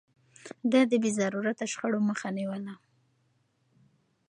ده د بې ضرورته شخړو مخه نيوله.